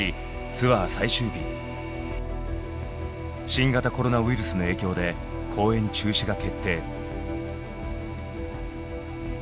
新型コロナウイルスの影響で公演中止が決定。